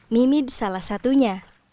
mimid salah satunya